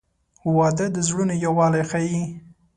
• واده د زړونو یووالی ښیي.